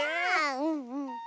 うんうん。